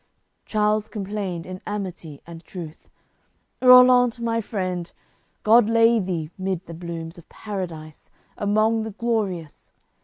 Charles complained in amity and truth: "Rollant, my friend, God lay thee mid the blooms Of Paradise, among the glorious!